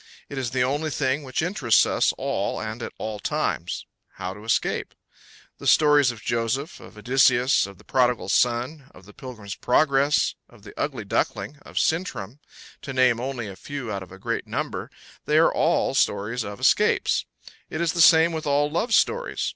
It is the only thing which interests us all and at all times how to escape. The stories of Joseph, of Odysseus, of the prodigal son, of the Pilgrim's Progress, of the "Ugly Duckling," of Sintram, to name only a few out of a great number, they are all stories of escapes. It is the same with all love stories.